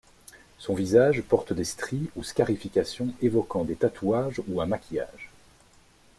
Son visage porte des stries ou scarifications évoquant des tatouages ou un maquillage.